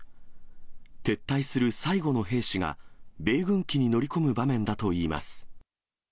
撤退する最後の兵士が米軍機に乗り込む場面だといいます。